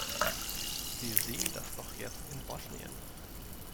Wir sehen das doch jetzt in Bosnien.